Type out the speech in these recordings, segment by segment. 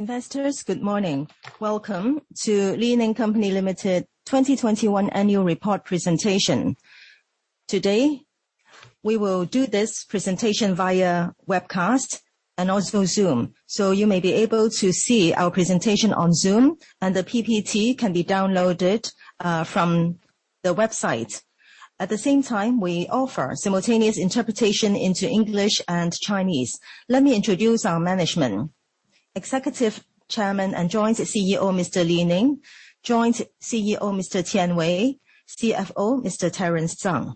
Investors, good morning. Welcome to Li Ning Company Limited 2021 annual report presentation. Today, we will do this presentation via webcast and also Zoom. You may be able to see our presentation on Zoom and the PPT can be downloaded from the website. At the same time, we offer simultaneous interpretation into English and Chinese. Let me introduce our management. Executive Chairman and Joint CEO, Mr. Li Ning. Joint CEO, Mr. Kosaka Takeshi. CFO, Mr. Terence Tsang.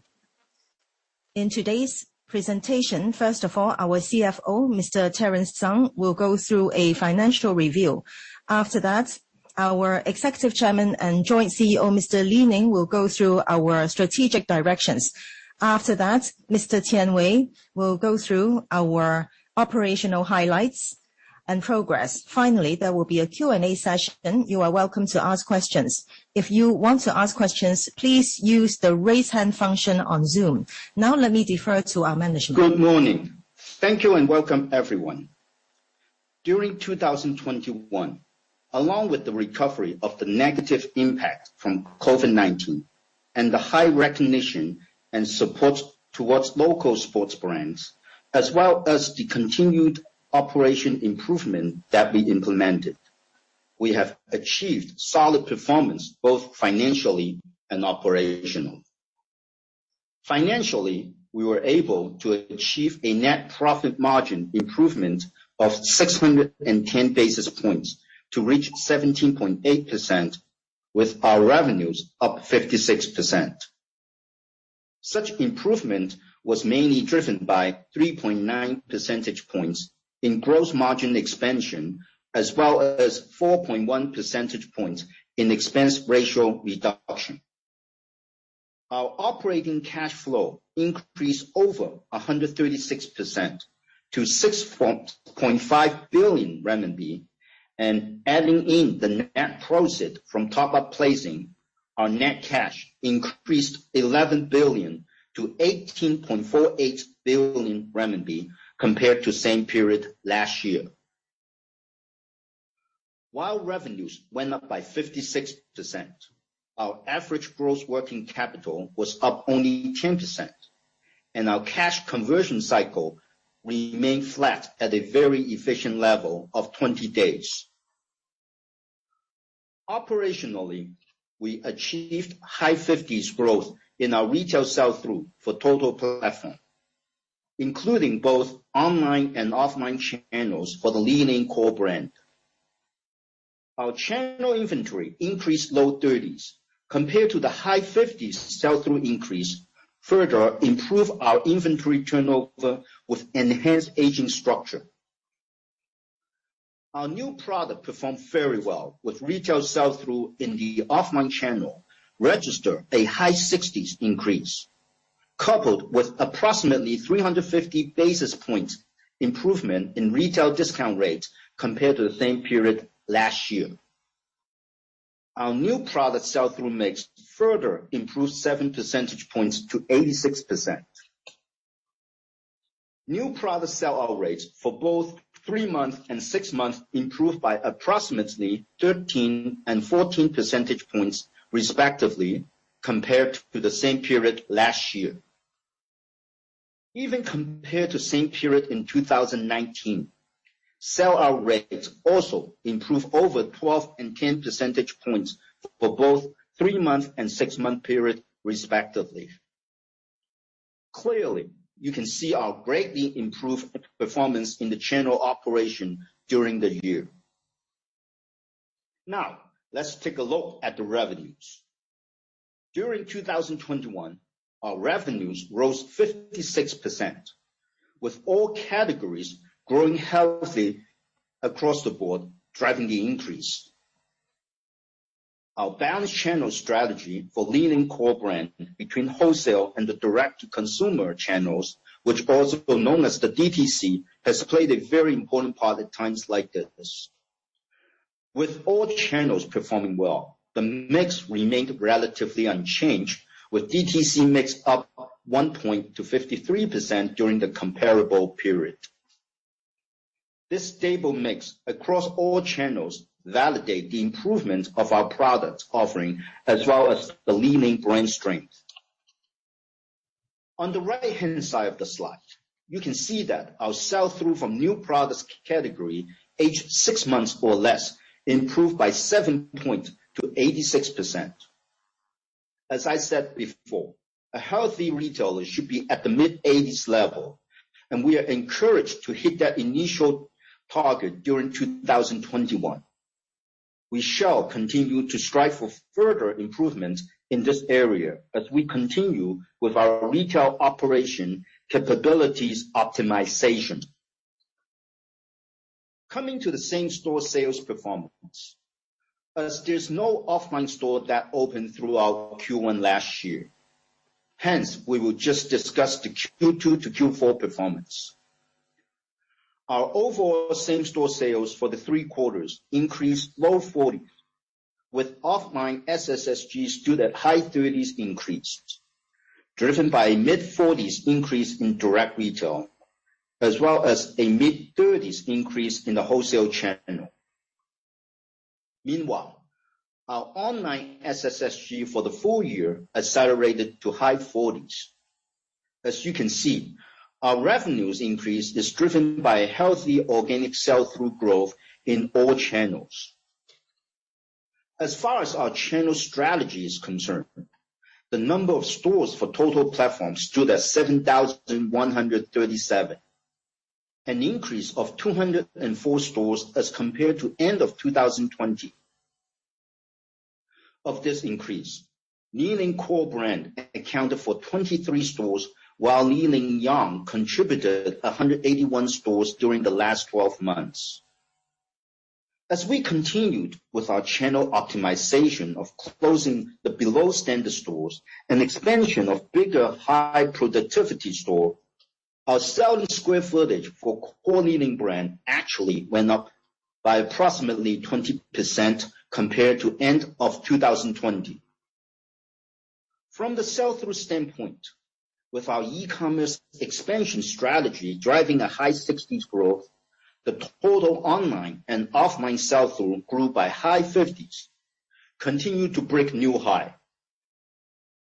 In today's presentation, first of all, our CFO, Mr. Terence Tsang, will go through a financial review. After that, our Executive Chairman and Joint CEO, Mr. Li Ning, will go through our strategic directions. After that, Mr. Kosaka Takeshi will go through our operational highlights and progress. Finally, there will be a Q&A session. You are welcome to ask questions. If you want to ask questions, please use the raise hand function on Zoom. Now let me defer to our management. Good morning. Thank you and welcome everyone. During 2021, along with the recovery of the negative impact from COVID-19 and the high recognition and support towards local sports brands, as well as the continued operational improvement that we implemented, we have achieved solid performance, both financially and operationally. Financially, we were able to achieve a net profit margin improvement of 610 basis points to reach 17.8% with our revenues up 56%. Such improvement was mainly driven by 3.9 percentage points in gross margin expansion, as well as 4.1 percentage points in expense ratio reduction. Our operating cash flow increased over 136% to 6.5 billion renminbi, and adding in the net proceeds from top-up placing, our net cash increased 11 billion-18.48 billion renminbi compared to same period last year. While revenues went up by 56%, our average gross working capital was up only 10%, and our cash conversion cycle remained flat at a very efficient level of 20 days. Operationally, we achieved high 50s growth in our retail sell-through for total platform, including both online and offline channels for the LI-NING core brand. Our channel inventory increased low 30s compared to the high 50s sell-through increase, further improve our inventory turnover with enhanced aging structure. Our new product performed very well with retail sell-through in the offline channel, register a high 60s increase, coupled with approximately 350 basis points improvement in retail discount rates compared to the same period last year. Our new product sell-through mix further improved 7 percentage points to 86%. New product sell-out rates for both three-month and six-month improved by approximately 13 and 14 percentage points, respectively, compared to the same period last year. Even compared to same period in 2019, sell-out rates also improved over 12 and 10 percentage points for both three-month and six-month period, respectively. Clearly, you can see our greatly improved performance in the general operation during the year. Now, let's take a look at the revenues. During 2021, our revenues rose 56%, with all categories growing healthy across the board, driving the increase. Our balanced channel strategy for LI-NING core brand between wholesale and the direct-to-consumer channels, which is also known as the DTC, has played a very important part at times like this. With all channels performing well, the mix remained relatively unchanged with DTC mix up 1 point to 53% during the comparable period. This stable mix across all channels validates the improvement of our product offering as well as the LI-NING brand strength. On the right-hand side of the slide, you can see that our sell-through from new products category aged six months or less improved by 7 points to 86%. As I said before, a healthy retailer should be at the mid-80s level, and we are encouraged to hit that initial target during 2021. We shall continue to strive for further improvement in this area as we continue with our retail operation capabilities optimization. Coming to the same-store sales performance. As there's no offline store that opened throughout Q1 last year, hence, we will just discuss the Q2 to Q4 performance. Our overall same-store sales for the three quarters increased low 40s%. With offline SSSG stood at high 30s% increase, driven by mid-40s% increase in direct retail, as well as a mid-30s% increase in the wholesale channel. Meanwhile, our online SSSG for the full year accelerated to high 40s%. As you can see, our revenues increase is driven by a healthy organic sell-through growth in all channels. As far as our channel strategy is concerned, the number of stores for total platforms stood at 7,137. An increase of 204 stores as compared to end of 2020. Of this increase, LI-NING core brand accounted for 23 stores, while LI-NING YOUNG contributed 181 stores during the last twelve months. As we continued with our channel optimization of closing the below standard stores and expansion of bigger high productivity store, our selling square footage for core LI-NING brand actually went up by approximately 20% compared to end of 2020. From the sell-through standpoint, with our e-commerce expansion strategy driving a high 60s% growth, the total online and offline sell-through grew by high 50s% and continued to break new high.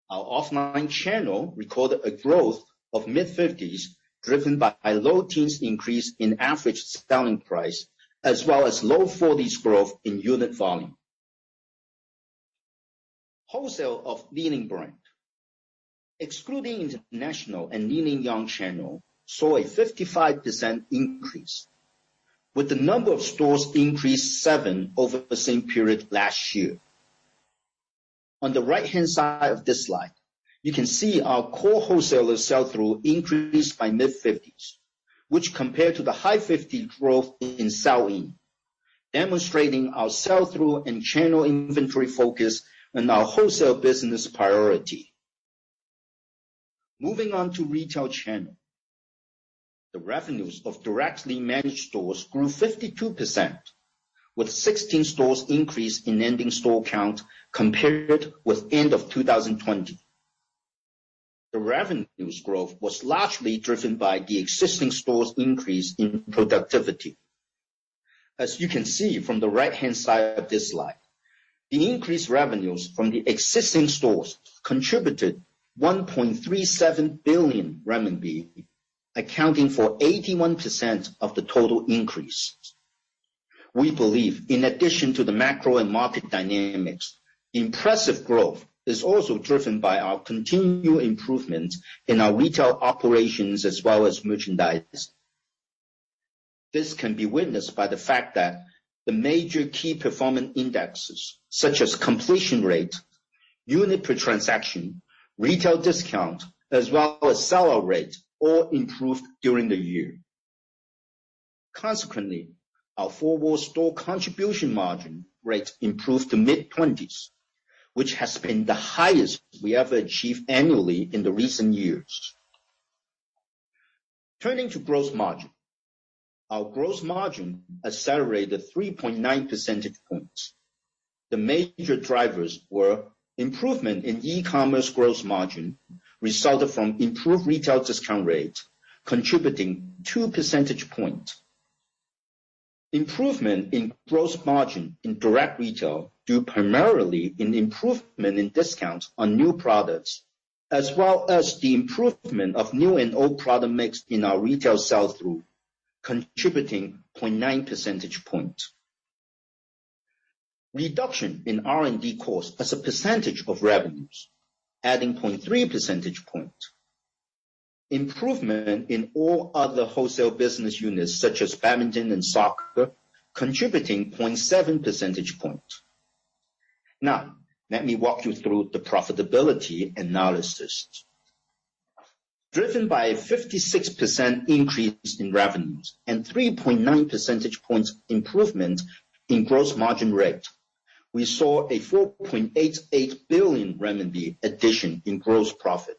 Our offline channel recorded a growth of mid-50s%, driven by low-teens% increase in average selling price, as well as low-40s% growth in unit volume. Wholesale of LI-NING brand, excluding international and LI-NING YOUNG channel, saw a 55% increase, with the number of stores increased 7% over the same period last year. On the right-hand side of this slide, you can see our core wholesaler sell-through increased by mid-50s%, which compared to the high 50s% growth in, demonstrating our sell-through and channel inventory focus and our wholesale business priority. Moving on to retail channel. The revenues of directly managed stores grew 52%, with 16 stores increase in ending store count compared with end of 2020. The revenues growth was largely driven by the existing stores increase in productivity. As you can see from the right-hand side of this slide, the increased revenues from the existing stores contributed 1.37 billion renminbi, accounting for 81% of the total increase. We believe in addition to the macro and market dynamics, impressive growth is also driven by our continued improvement in our retail operations as well as merchandise. This can be witnessed by the fact that the major key performance indexes, such as completion rate, unit per transaction, retail discount, as well as sell-out rate, all improved during the year. Consequently, our four-wall contribution margin rate improved to mid-20s, which has been the highest we ever achieved annually in the recent years. Turning to gross margin. Our gross margin accelerated 3.9 percentage points. The major drivers were improvement in e-commerce gross margin resulted from improved retail discount rate contributing 2 percentage point. Improvement in gross margin in direct retail due primarily in improvement in discounts on new products as well as the improvement of new and old product mix in our retail sell-through, contributing 0.9 percentage point. Reduction in R&D costs as a percentage of revenues, adding 0.3 percentage point. Improvement in all other wholesale business units such as badminton and soccer, contributing 0.7 percentage points. Now, let me walk you through the profitability analysis. Driven by a 56% increase in revenues and 3.9 percentage points improvement in gross margin rate, we saw a 4.88 billion renminbi addition in gross profit.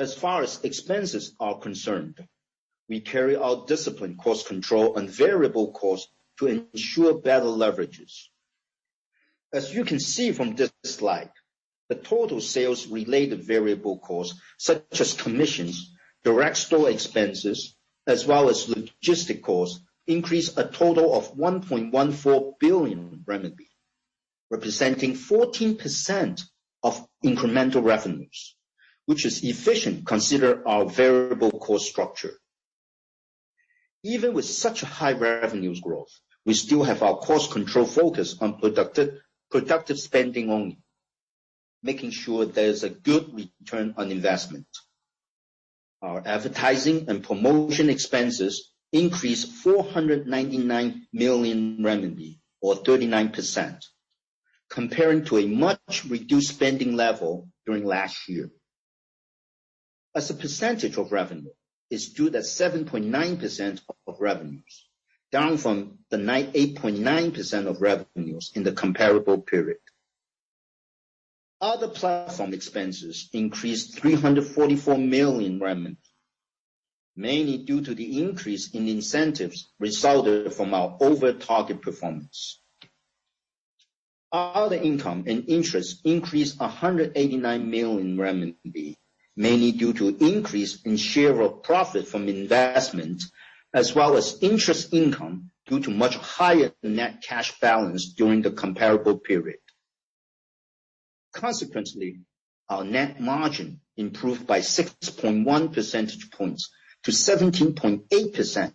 As far as expenses are concerned, we carry out disciplined cost control and variable costs to ensure better leverage. As you can see from this slide, the total sales-related variable costs such as commissions, direct store expenses, as well as logistics costs, increased a total of 1.14 billion RMB, representing 14% of incremental revenues, which is efficient considering our variable cost structure. Even with such a high revenue growth, we still have our cost control focus on productive spending only, making sure there is a good return on investment. Our advertising and promotion expenses increased 499 million renminbi or 39%, compared to a much reduced spending level during last year. As a percentage of revenue, it stood at 7.9% of revenues, down from the 8.9% of revenues in the comparable period. Other platform expenses increased 344 million renminbi, mainly due to the increase in incentives resulted from our over target performance. Our other income and interest increased 189 million RMB, mainly due to increase in share of profit from investment as well as interest income due to much higher net cash balance during the comparable period. Consequently, our net margin improved by 6.1 percentage points to 17.8%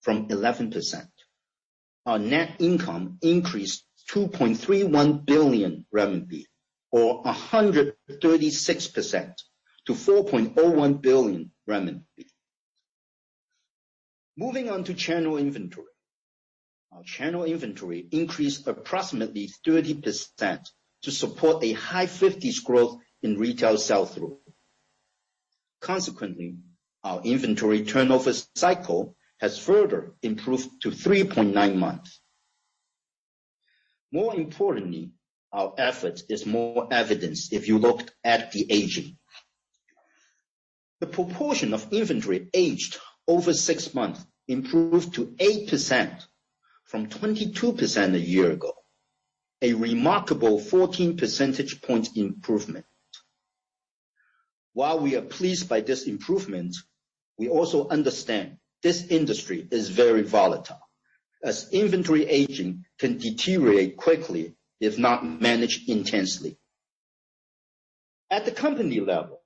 from 11%. Our net income increased 2.31 billion RMB or 136% to 4.01 billion RMB. Moving on to channel inventory. Our channel inventory increased approximately 30% to support a high 50s growth in retail sell-through. Consequently, our inventory turnover cycle has further improved to 3.9 months. More importantly, our effort is more evident if you look at the aging. The proportion of inventory aged over six months improved to 8% from 22% a year ago, a remarkable 14 percentage point improvement. While we are pleased by this improvement, we also understand this industry is very volatile as inventory aging can deteriorate quickly if not managed intensely. At the company level,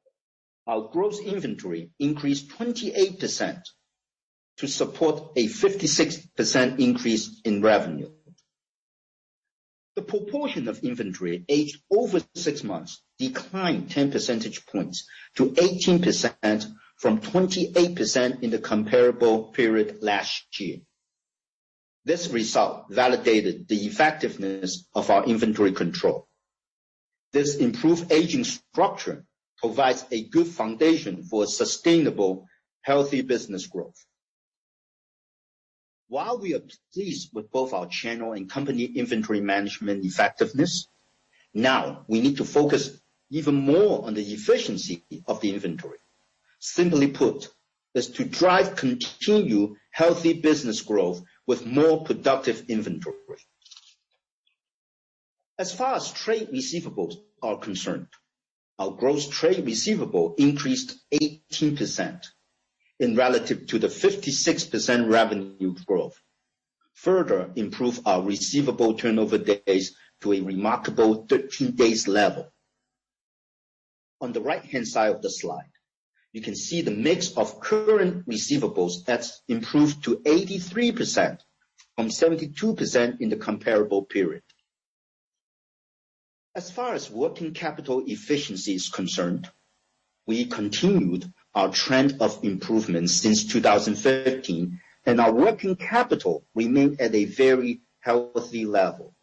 our gross inventory increased 28% to support a 56% increase in revenue. The proportion of inventory aged over six months declined 10 percentage points to 18% from 28% in the comparable period last year. This result validated the effectiveness of our inventory control. This improved aging structure provides a good foundation for sustainable, healthy business growth. While we are pleased with both our channel and company inventory management effectiveness, now we need to focus even more on the efficiency of the inventory. Simply put, is to drive continued healthy business growth with more productive inventory. As far as trade receivables are concerned, our gross trade receivable increased 18% in relation to the 56% revenue growth, further improve our receivable turnover days to a remarkable 13 days level. On the right-hand side of the slide, you can see the mix of current receivables that's improved to 83% from 72% in the comparable period. As far as working capital efficiency is concerned, we continued our trend of improvement since 2015, and our working capital remained at a very healthy level.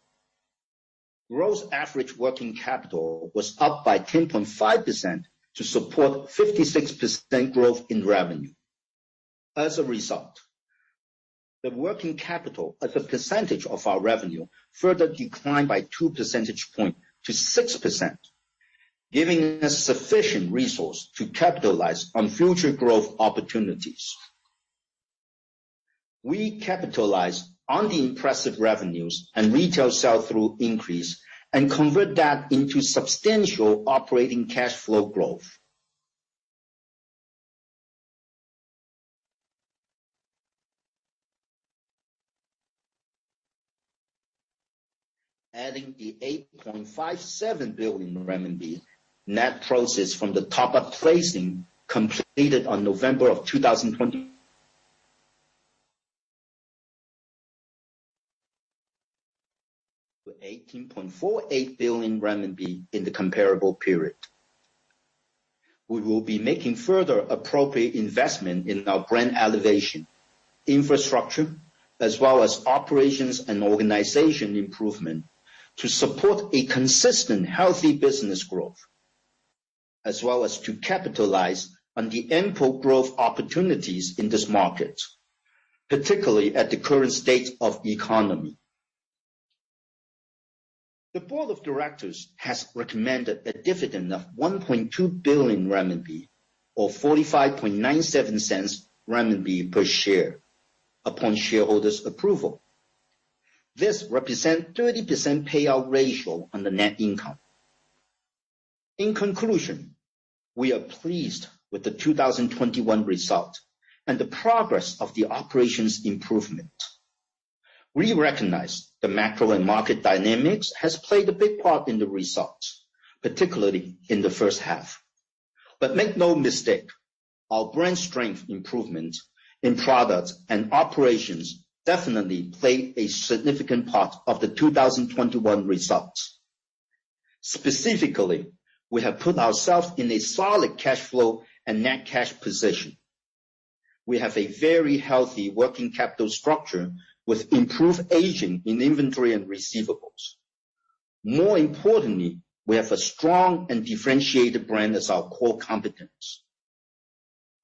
Gross average working capital was up by 10.5% to support 56% growth in revenue. As a result, the working capital as a percentage of our revenue further declined by 2 percentage points to 6%, giving us sufficient resource to capitalize on future growth opportunities. We capitalize on the impressive revenues and retail sell-through increase and convert that into substantial operating cash flow growth. Adding the 8.57 billion RMB net proceeds from the top-up placing completed on November 2020 to 18.48 billion RMB in the comparable period. We will be making further appropriate investment in our brand elevation, infrastructure, as well as operations and organization improvement to support a consistent, healthy business growth, as well as to capitalize on the upside growth opportunities in this market, particularly at the current state of economy. The board of directors has recommended a dividend of 1.2 billion renminbi or 0.4597 per share upon shareholders' approval. This represent 30% payout ratio on the net income. In conclusion, we are pleased with the 2021 result and the progress of the operations improvement. We recognize the macro and market dynamics has played a big part in the results, particularly in the first half. Make no mistake, our brand strength improvement in products and operations definitely played a significant part of the 2021 results. Specifically, we have put ourselves in a solid cash flow and net cash position. We have a very healthy working capital structure with improved aging in inventory and receivables. More importantly, we have a strong and differentiated brand as our core competence.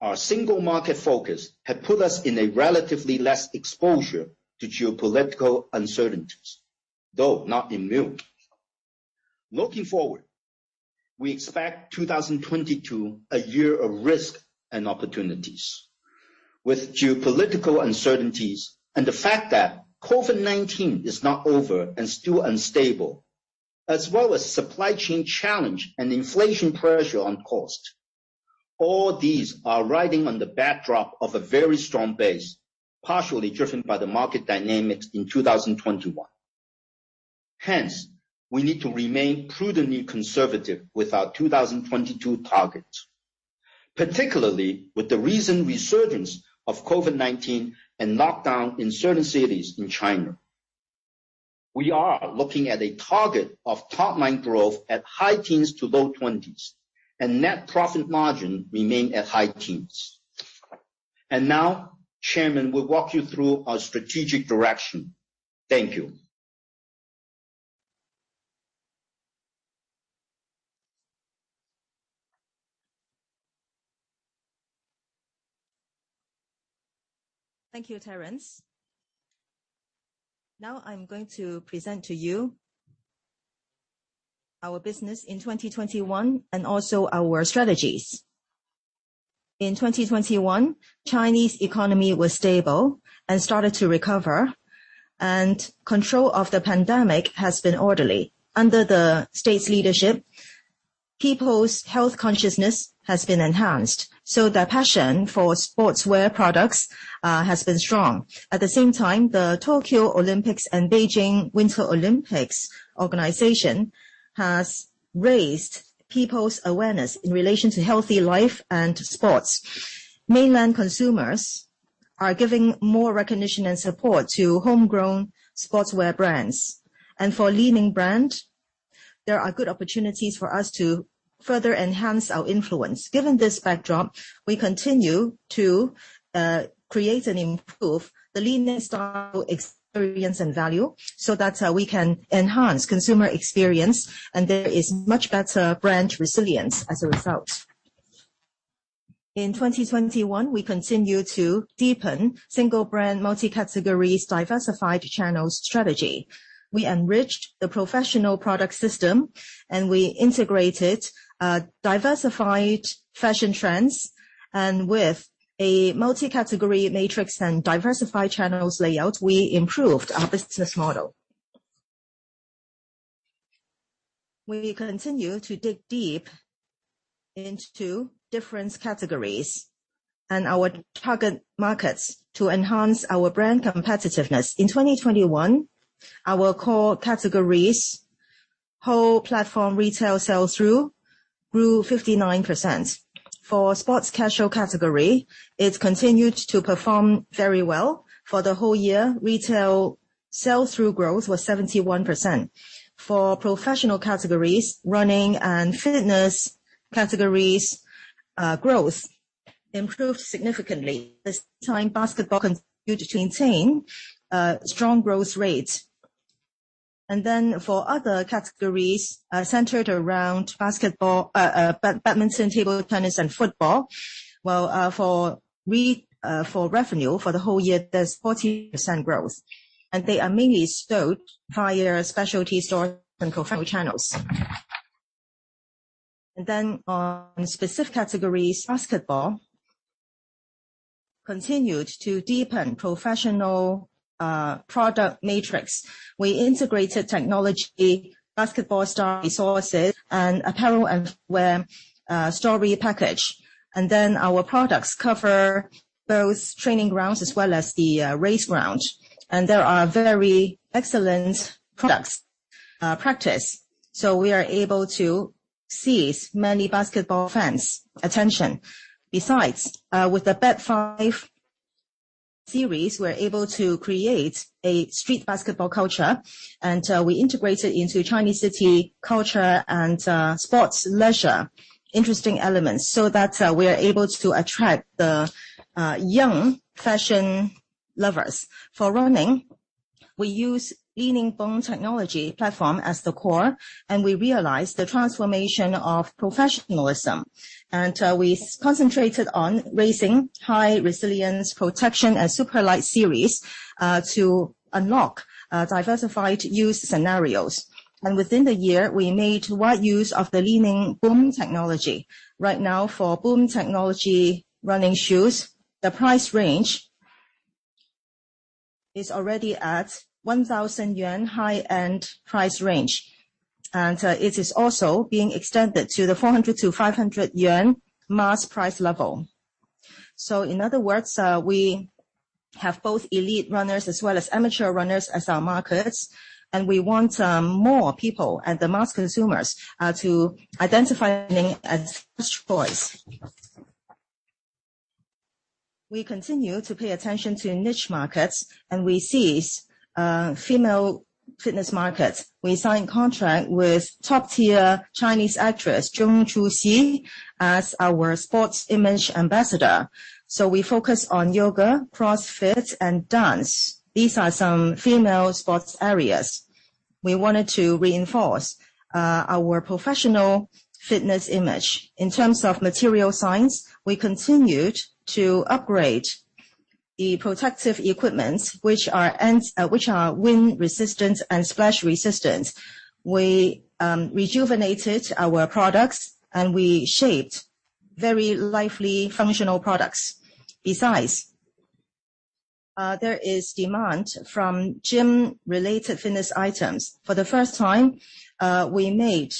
Our single market focus had put us in a relatively less exposure to geopolitical uncertainties, though not immune. Looking forward, we expect 2022 a year of risk and opportunities. With geopolitical uncertainties and the fact that COVID-19 is not over and still unstable, as well as supply chain challenge and inflation pressure on cost. All these are riding on the backdrop of a very strong base, partially driven by the market dynamics in 2021. Hence, we need to remain prudently conservative with our 2022 targets, particularly with the recent resurgence of COVID-19 and lockdown in certain cities in China. We are looking at a target of top-line growth at high-teens% to low-twenties%, and net profit margin remain at high-teens%. Now, Chairman will walk you through our strategic direction. Thank you. Thank you, Terence. Now I'm going to present to you our business in 2021 and also our strategies. In 2021, Chinese economy was stable and started to recover, and control of the pandemic has been orderly. Under the state's leadership, people's health consciousness has been enhanced, so their passion for sportswear products has been strong. At the same time, the Tokyo Olympics and Beijing Winter Olympics organization has raised people's awareness in relation to healthy life and sports. Mainland consumers are giving more recognition and support to homegrown sportswear brands. For LI-NING brand, there are good opportunities for us to further enhance our influence. Given this backdrop, we continue to create and improve the LI-NING style, experience, and value, so that we can enhance consumer experience, and there is much better brand resilience as a result. In 2021, we continue to deepen single brand, multi-categories, diversified channels strategy. We enriched the professional product system and we integrated diversified fashion trends. With a multi-category matrix and diversified channels layout, we improved our business model. We continue to dig deep into different categories and our target markets to enhance our brand competitiveness. In 2021, our core categories, whole platform retail sell-through grew 59%. For sports casual category, it continued to perform very well. For the whole year, retail sell-through growth was 71%. For professional categories, running and fitness categories, growth improved significantly. This time, basketball continued to maintain strong growth rates. For other categories centered around basketball, badminton, table tennis and football, well, for revenue for the whole year, there's 14% growth, and they are mainly sourced via specialty stores and professional channels. On specific categories, basketball continued to deepen professional product matrix. We integrated technology, basketball style resources and apparel and footwear story package. Our products cover both training grounds as well as the race ground. There are very excellent practice products, so we are able to seize many basketball fans' attention. Besides, with the BADFIVE series, we're able to create a street basketball culture, and we integrated into Chinese city culture and sports leisure interesting elements so that we are able to attract the YOUNG fashion lovers. For running, we use LI-NING BOOM Technology platform as the core, and we realized the transformation of professionalism. We concentrated on raising high resilience protection and super light series to unlock diversified use scenarios. Within the year, we made wide use of the LI-NING BOOM Technology. Right now, for BOOM Technology running shoes, the price range is already at 1000 yuan high-end price range, and it is also being extended to the 400-500 yuan mass price level. In other words, we have both elite runners as well as amateur runners as our markets, and we want more people and the mass consumers to identify LI-NING as first choice. We continue to pay attention to niche markets, and we seize female fitness markets. We signed a contract with top-tier Chinese actress Zhong Chuxi as our sports image ambassador. We focus on yoga, CrossFit, and dance. These are some female sports areas we wanted to reinforce our professional fitness image. In terms of material science, we continued to upgrade the protective equipment, which are wind-resistant and splash-resistant. We rejuvenated our products, and we shaped very lively functional products. Besides, there is demand from gym-related fitness items. For the first time, we made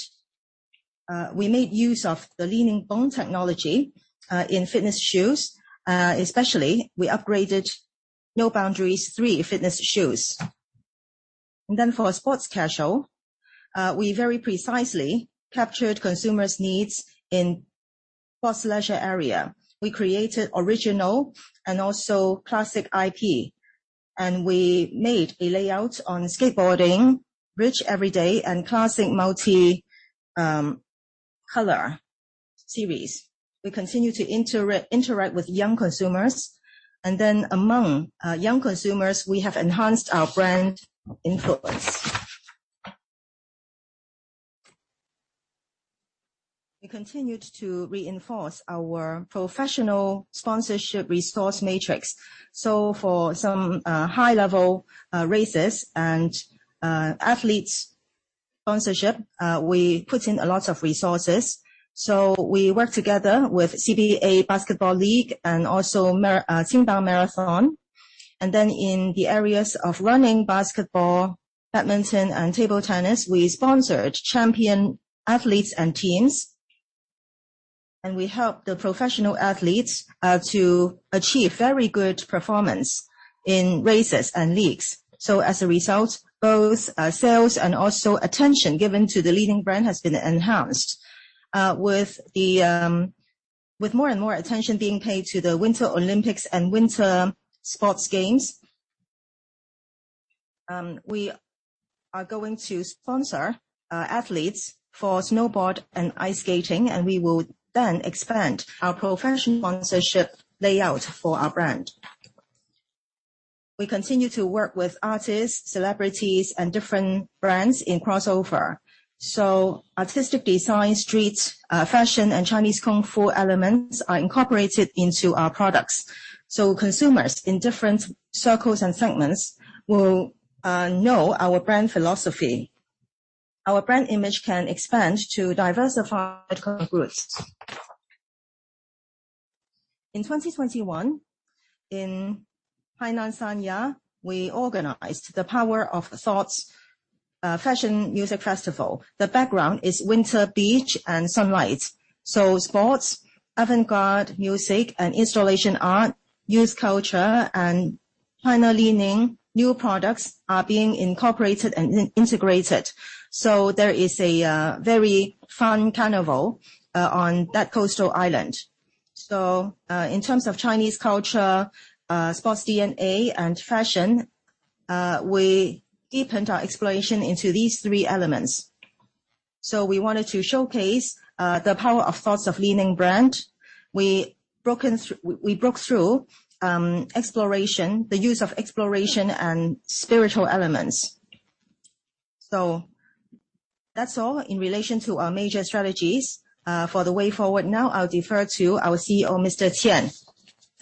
use of the LI-NING BOOM Technology in fitness shoes. Especially, we upgraded No Boundaries III fitness shoes. For sports casual, we very precisely captured consumers' needs in sports leisure area. We created original and also classic IP, and we made a layout on skateboarding, Rich Everyday and classic multicolor series. We continue to interact with YOUNG consumers. Among YOUNG consumers, we have enhanced our brand influence. We continued to reinforce our professional sponsorship resource matrix. For some high-level races and athletes sponsorship, we put in a lot of resources. We work together with CBA Basketball League and also Qingdao Marathon. In the areas of running, basketball, badminton, and table tennis, we sponsored champion athletes and teams. We helped the professional athletes to achieve very good performance in races and leagues. As a result, both sales and also attention given to the leading brand has been enhanced. With more and more attention being paid to the Winter Olympics and winter sports games, we are going to sponsor athletes for snowboard and ice skating, and we will then expand our professional sponsorship layout for our brand. We continue to work with artists, celebrities, and different brands in crossover. Artistic design, street fashion, and Chinese Kungfu elements are incorporated into our products, so consumers in different circles and segments will know our brand philosophy. Our brand image can expand to diversified consumer groups. In 2021, in Hainan, Sanya, we organized the Power of Thoughts Fashion Music Festival. The background is winter beach and sunlight. Sports, avant-garde music and installation art, youth culture, and LI-NING new products are being incorporated and integrated. There is a very fun carnival on that coastal island. In terms of Chinese culture, sports DNA and fashion, we deepened our exploration into these three elements. We wanted to showcase the Power of Thoughts of LI-NING brand. We broke through exploration, the use of exploration and spiritual elements. That's all in relation to our major strategies. For the way forward now, I'll defer to our CEO, Mr. Qian Wei.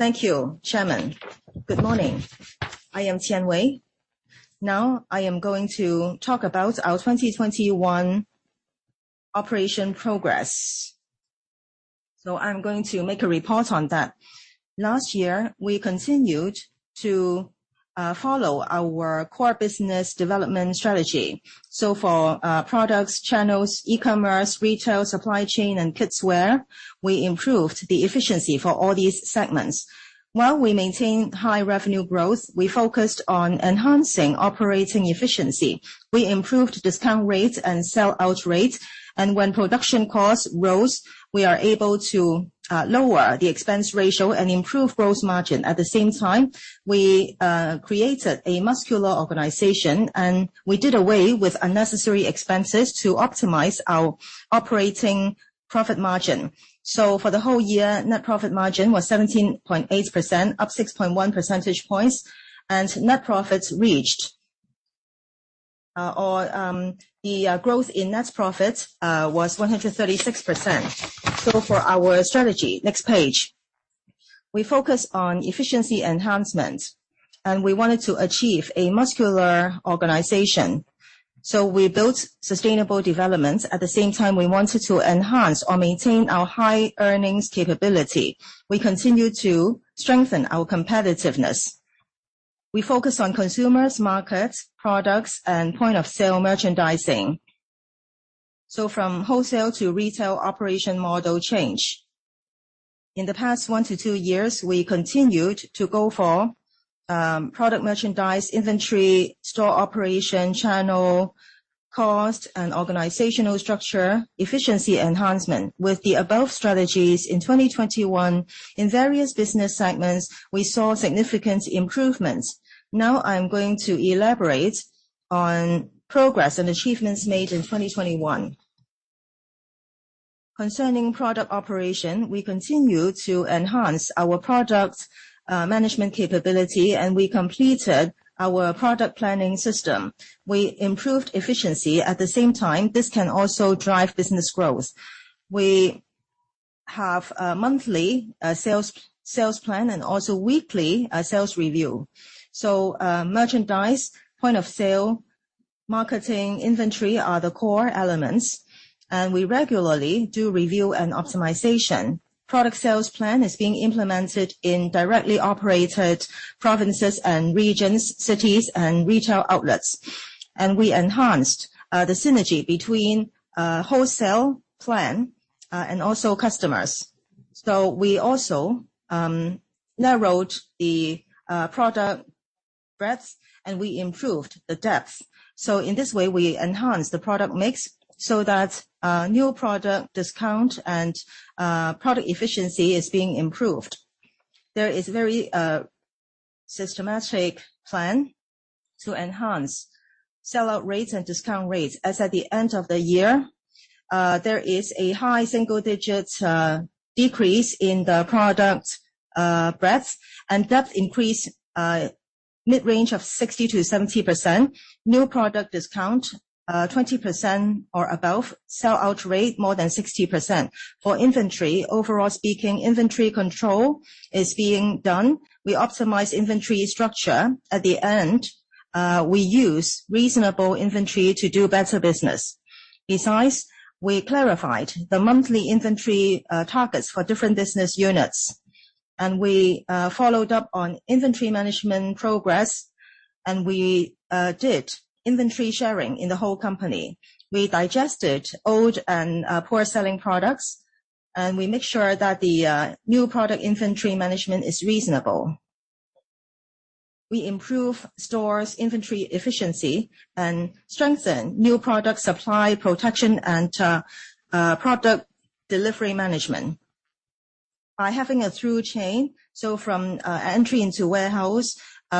Thank you, Chairman. Good morning. I am Qian Wei. Now, I am going to talk about our 2021 operation progress. I'm going to make a report on that. Last year, we continued to follow our core business development strategy. For products, channels, e-commerce, retail, supply chain, and kidswear, we improved the efficiency for all these segments. While we maintained high revenue growth, we focused on enhancing operating efficiency. We improved discount rates and sell-out rates, and when production costs rose, we are able to lower the expense ratio and improve gross margin. At the same time, we created a muscular organization, and we did away with unnecessary expenses to optimize our operating profit margin. For the whole year, net profit margin was 17.8%, up 6.1 percentage points, and the growth in net profit was 136%. For our strategy, next page. We focused on efficiency enhancement, and we wanted to achieve a muscular organization, so we built sustainable development. At the same time, we wanted to enhance or maintain our high earnings capability. We continued to strengthen our competitiveness. We focused on consumers, markets, products, and point-of-sale merchandising. From wholesale to retail operation model change. In the past one-two years, we continued to go for product merchandise, inventory, store operation, channel, cost, and organizational structure efficiency enhancement. With the above strategies in 2021, in various business segments, we saw significant improvements. Now I'm going to elaborate on progress and achievements made in 2021. Concerning product operation, we continue to enhance our product management capability, and we completed our product planning system. We improved efficiency. At the same time, this can also drive business growth. We have monthly sales plan and also weekly sales review. Merchandise, point of sale, marketing, inventory are the core elements, and we regularly do review and optimization. Product sales plan is being implemented in directly operated provinces and regions, cities and retail outlets. We enhanced the synergy between wholesale plan and also customers. We also narrowed the product breadth, and we improved the depth. In this way, we enhanced the product mix so that new product discount and product efficiency is being improved. There is a very systematic plan to enhance sell-out rates and discount rates. As at the end of the year, there is a high single-digit decrease in the product breadth and depth increase, mid-range of 60%-70%. New product discount 20% or above. Sell-out rate more than 60%. For inventory, overall speaking, inventory control is being done. We optimize inventory structure. At the end, we use reasonable inventory to do better business. Besides, we clarified the monthly inventory targets for different business units, and we followed up on inventory management progress, and we did inventory sharing in the whole company. We digested old and poor-selling products, and we make sure that the new product inventory management is reasonable. We improve stores' inventory efficiency and strengthen new product supply protection and product delivery management. By having a through chain, from entry into warehouse,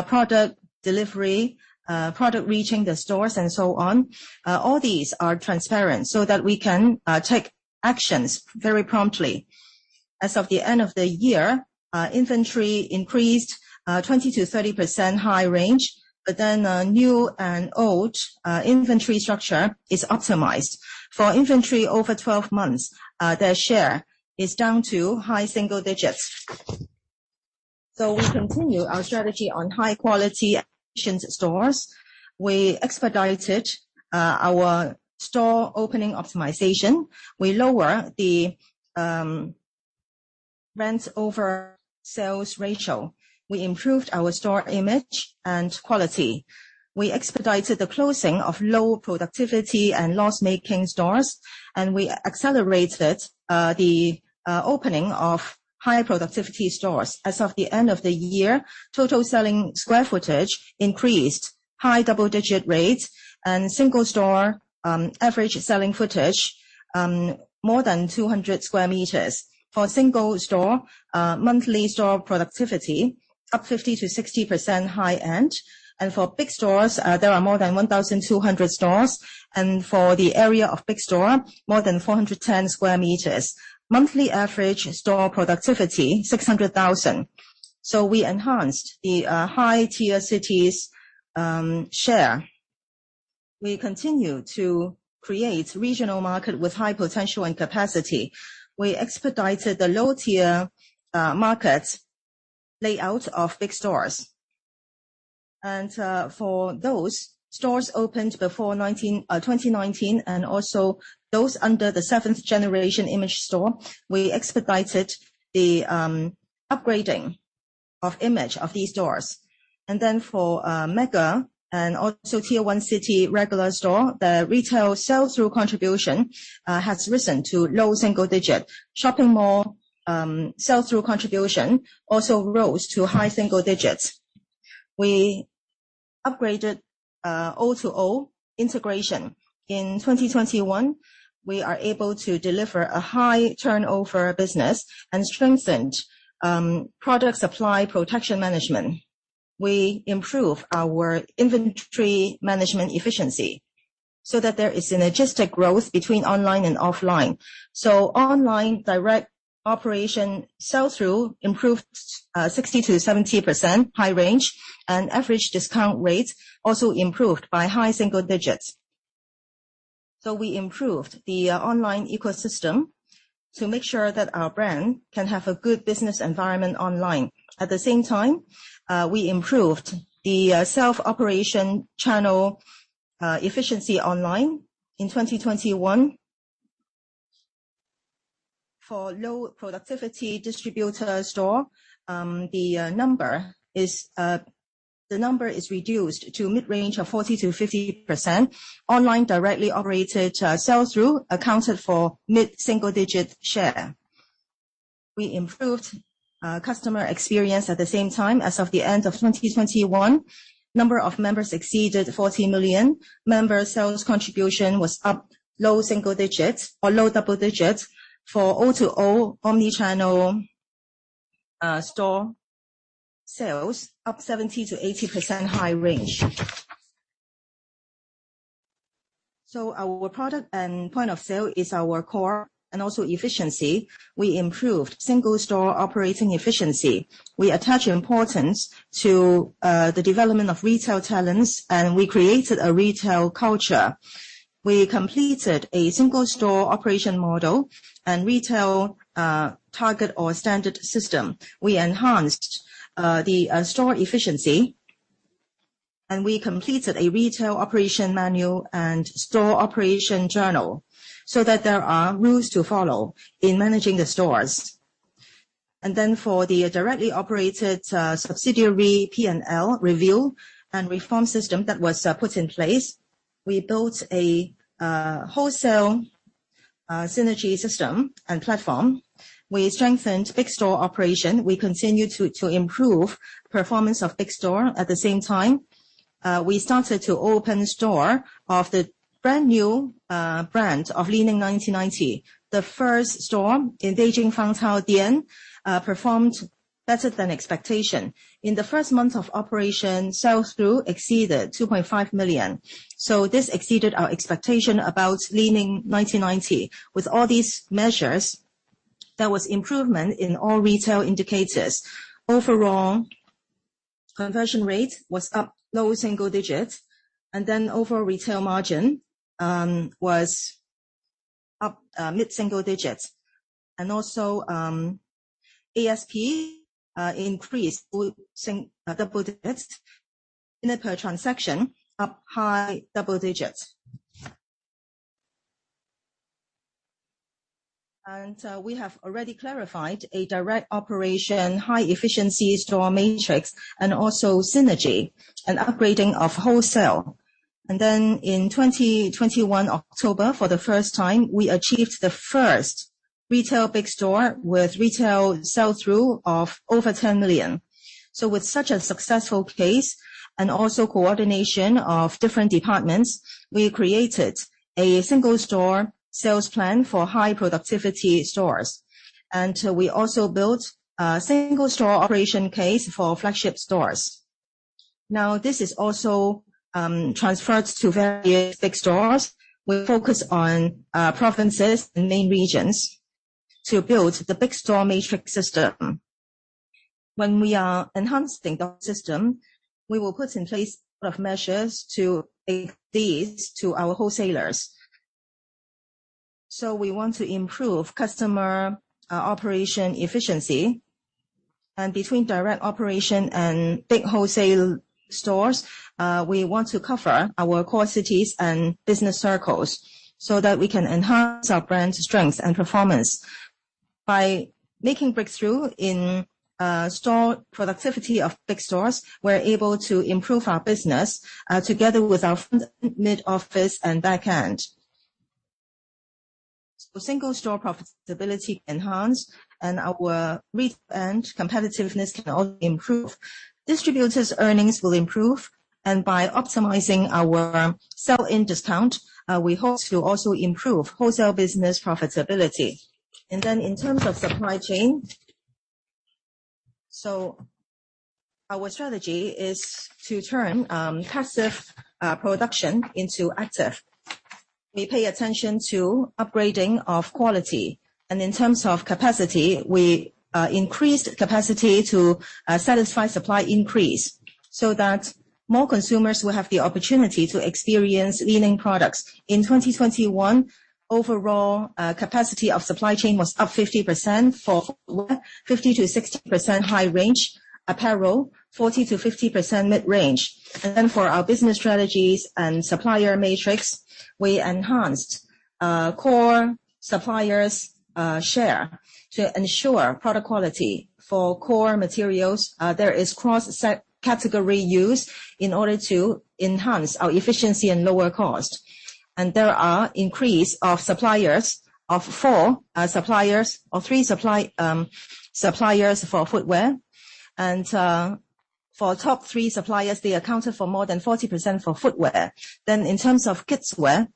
product delivery, product reaching the stores, and so on, all these are transparent so that we can take actions very promptly. As of the end of the year, inventory increased 20%-30% high range, but then new and old inventory structure is optimized. For inventory over 12 months, their share is down to high single digits. We continue our strategy on high-quality efficient stores. We expedited our store opening optimization. We lower the rent over sales ratio. We improved our store image and quality. We expedited the closing of low productivity and loss-making stores, and we accelerated the opening of higher productivity stores. As of the end of the year, total selling square footage increased high double-digit rates and single store average selling footage more than 200 sq.m. For single store monthly store productivity up 50%-60% high end. For big stores there are more than 1,200 stores, and for the area of big store more than 410 sq.m. Monthly average store productivity 600,000. We enhanced the high-tier cities' share. We continue to create regional market with high potential and capacity. We expedited the low-tier market layout of big stores. For those stores opened before nineteen... In 2019 and also those under the seventh generation image store, we expedited the upgrading of image of these stores. For mega and also tier one city regular store, the retail sell-through contribution has risen to low single digit. Shopping mall sell-through contribution also rose to high single digits. We upgraded O2O integration. In 2021, we are able to deliver a high turnover business and strengthen product supply protection management. We improve our inventory management efficiency so that there is synergistic growth between online and offline. Online direct operation sell-through improved 60%-70% high range, and average discount rate also improved by high single digits. We improved the online ecosystem to make sure that our brand can have a good business environment online. At the same time, we improved the self-operation channel efficiency online in 2021. For low productivity distributor store, the number is reduced to mid-range of 40%-50%. Online directly operated sell-through accounted for mid-single-digit share. We improved customer experience at the same time. As of the end of 2021, number of members exceeded 40 million. Member sales contribution was up low single digits or low double digits. For O2O omni-channel, store sales up 70%-80% high range. Our product and point of sale is our core and also efficiency. We improved single store operating efficiency. We attach importance to the development of retail talents, and we created a retail culture. We completed a single store operation model and retail target or standard system. We enhanced the store efficiency, and we completed a retail operation manual and store operation journal so that there are rules to follow in managing the stores. For the directly operated subsidiary P&L review and reform system that was put in place, we built a wholesale synergy system and platform. We strengthened big store operation. We continue to improve performance of big store. At the same time, we started to open store of the brand new brand of LI-NING 1990. The first store in Beijing Fangzhuang performed better than expectation. In the first month of operation, sales exceeded 2.5 million. This exceeded our expectation about LI-NING 1990. With all these measures, there was improvement in all retail indicators. Overall, conversion rate was up low single-digit%, and then overall retail margin was up mid-single-digit%. Also, ASP increased double-digit% and per transaction up high double-digit%. We have already clarified a direct operation, high-efficiency store matrix and also synergy and upgrading of wholesale. In October 2021, for the first time, we achieved the first retail big store with retail sell-through of over 10 million. With such a successful case and also coordination of different departments, we created a single store sales plan for high productivity stores. We also built a single store operation case for flagship stores. Now, this is also transferred to various big stores. We focus on provinces and main regions to build the big store matrix system. When we are enhancing the system, we will put in place measures to aid these to our wholesalers. We want to improve customer operation efficiency. Between direct operation and big wholesale stores, we want to cover our core cities and business circles so that we can enhance our brand strength and performance. By making breakthrough in store productivity of big stores, we're able to improve our business together with our front, mid office and back end. Single store profitability enhanced and our retail end competitiveness can all improve. Distributors' earnings will improve, and by optimizing our sell-in discount, we hope to also improve wholesale business profitability. In terms of supply chain, our strategy is to turn passive production into active. We pay attention to upgrading of quality. In terms of capacity, we increased capacity to satisfy supply increase so that more consumers will have the opportunity to experience LI-NING products. In 2021, overall, capacity of supply chain was up 50% for footwear. 50%-60% high range apparel. 40%-50% mid-range. For our business strategies and supplier matrix, we enhanced core suppliers share to ensure product quality. For core materials, there is cross-category use in order to enhance our efficiency and lower cost. There is an increase of suppliers to four suppliers or three-suppliers for footwear. For top three suppliers, they accounted for more than 40% for footwear. In terms of kidswear,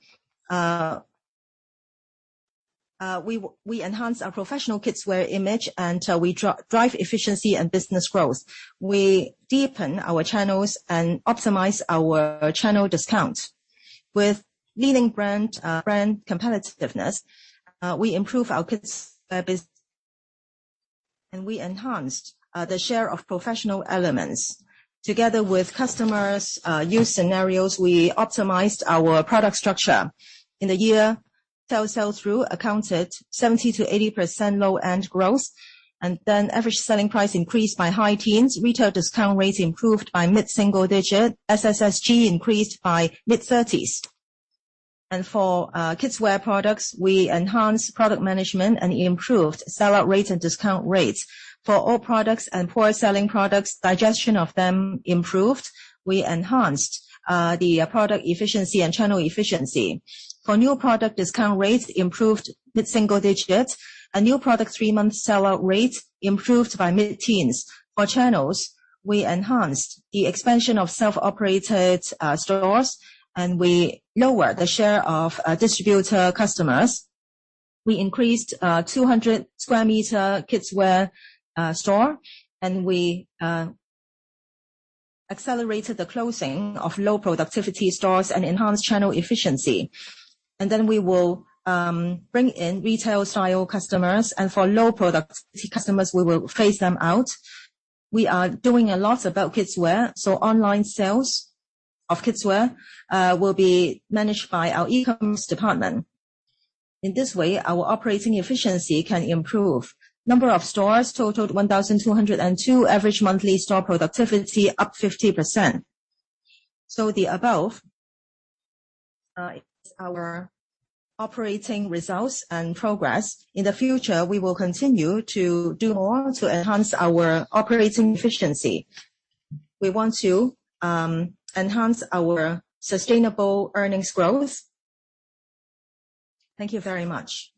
we enhanced our professional kidswear image, and we drive efficiency and business growth. We deepen our channels and optimize our channel discount. With LI-NING brand competitiveness, we improve our kidswear business, and we enhanced the share of professional elements. Together with customers, use scenarios, we optimized our product structure. In the year, total sell-through accounted for 70%-80% low-end growth, and then average selling price increased by high-teens%. Retail discount rate improved by mid-single-digit%. SSSG increased by mid-30s%. For kidswear products, we enhanced product management and improved sell-out rate and discount rates. For all products and poor selling products, digestion of them improved. We enhanced the product efficiency and channel efficiency. For new product, discount rates improved by mid-single-digit%. A new product 3-month sell-out rate improved by mid-teens%. For channels, we enhanced the expansion of self-operated stores, and we lowered the share of distributor customers. We increased 200 sq.m. kidswear store, and we accelerated the closing of low productivity stores and enhanced channel efficiency. We will bring in retail style customers, and for low productivity customers, we will phase them out. We are doing a lot about kidswear, so online sales of kidswear will be managed by our e-commerce department. In this way, our operating efficiency can improve. Number of stores totaled 1,202. Average monthly store productivity up 50%. The above is our operating results and progress. In the future, we will continue to do more to enhance our operating efficiency. We want to enhance our sustainable earnings growth. Thank you very much.